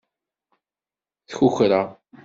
Tkukra.